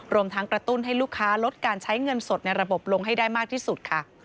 รวมทั้งกระตุ้นให้ลูกค้าลดการใช้เงินสดในระบบลงให้ได้มากที่สุดค่ะ